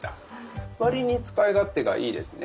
割に使い勝手がいいですね。